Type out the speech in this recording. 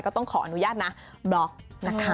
ก็ต้องขออนุญาตนะบล็อกนะคะ